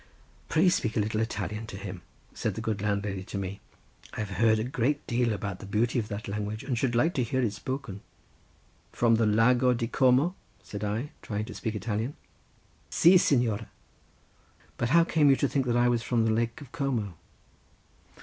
"Pray speak a little Italian to him," said the good landlady to me. "I have heard a great deal about the beauty of that language, and should like to hear it spoken." "From the Lago di Como?" said I, trying to speak Italian. "Si, signore! but how came you to think that I was from the Lake of Como?"